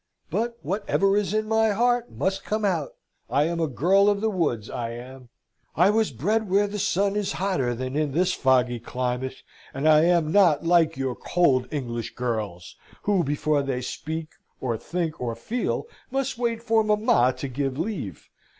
But whatever is in my heart must come out. I am a girl of the woods, I am. I was bred where the sun is hotter than in this foggy climate. And I am not like your cold English girls; who, before they speak, or think, or feel, must wait for mamma to give leave.